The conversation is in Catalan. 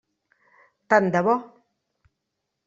Tant de bo!